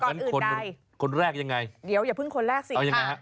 ก่อนอื่นได้คนแรกยังไงเดี๋ยวอย่าพึ่งคนแรกสิค่ะ